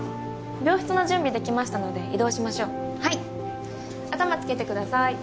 病室の準備できましたので移動しましょうはい頭つけてください